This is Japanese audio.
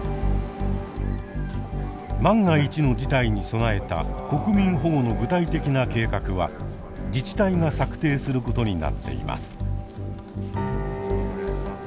万が一の事態に備えた国民保護の具体的な計画は自治体が策定することになっています。